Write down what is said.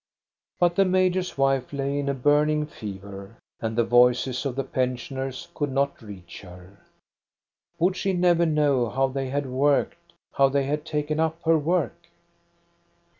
But the major's wife lay in a burning fever, and MARGARETA CELSING 459 the voices of the pensioners could not reach her. Would she never know how they had worked, how they had taken up her work?